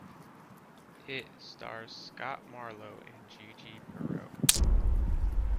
It stars Scott Marlowe and Gigi Perreau.